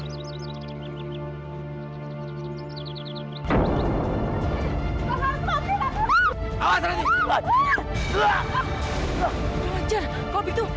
karena saya sudah tidak punya siapa siapa lagi selain diri kamu ratih